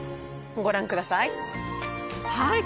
ご覧ください